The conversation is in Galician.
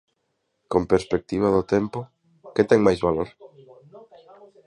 Con perspectiva do tempo, que ten máis valor?